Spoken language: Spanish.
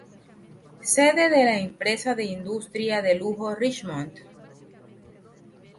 Sede de la empresa de industria de lujo Richemont.